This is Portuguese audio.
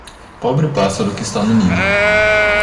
Pobre pássaro que está no ninho.